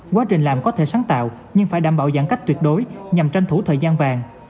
quá trình làm có thể sáng tạo nhưng phải đảm bảo giãn cách tuyệt đối nhằm tranh thủ thời gian vàng